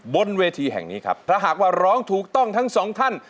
บนเวทีแห่งนี้ครับถ้าหากว่าร้องถูกต้องทั้งสองท่าน